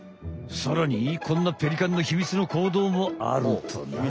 さらにこんなペリカンのヒミツの行動もあるとな。